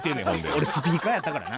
俺スピーカーやったからな。